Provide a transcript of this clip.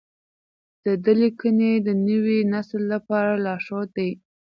د ده لیکنې د نوي نسل لپاره لارښود دي.